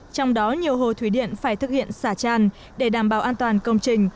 trong đó nhiều hồ thủy điện phải thực hiện xả tràn để đảm bảo an toàn công trình